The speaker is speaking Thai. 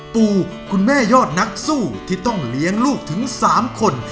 ปูคุณแม่ยอดนักสู้ที่ต้องเลี้ยงลูกถึง๓คน